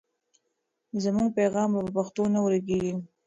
زموږ پیغام په پښتو نه ورکېږي.